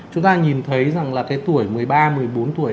chúng ta nhìn thấy rằng là cái tuổi một mươi ba một mươi bốn tuổi